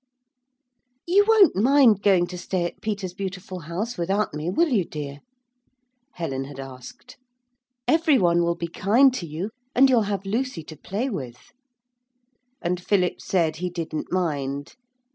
'You won't mind going to stay at Peter's beautiful house without me, will you, dear?' Helen had asked. 'Every one will be kind to you, and you'll have Lucy to play with.' And Philip said he didn't mind.